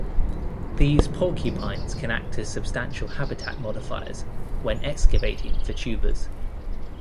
These porcupines can act as substantial habitat modifiers when excavating for tubers.